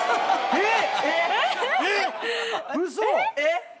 えっ！